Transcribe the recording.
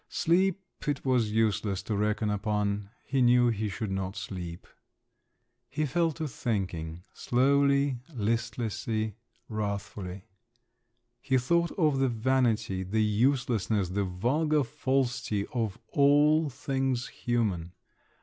Sleep it was useless to reckon upon; he knew he should not sleep. He fell to thinking … slowly, listlessly, wrathfully. He thought of the vanity, the uselessness, the vulgar falsity of all things human.